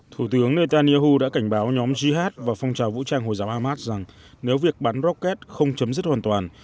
thủ tướng netanyahu đã cảnh báo nhóm jihad và phong trào vũ trang hồi giáo hamas rằng nếu việc bắn rocket không chấm dứt hoàn toàn